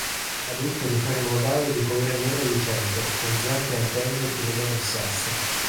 Adulto di forma ovale e di colore nero lucente con zampe e antenne bruno-rossastre.